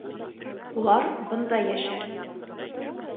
Улар бында йәшәр.